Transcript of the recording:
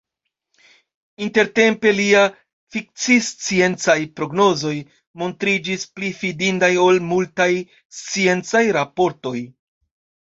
Intertempe, liaj fikcisciencaj prognozoj montriĝis pli fidindaj ol multaj sciencaj raportoj.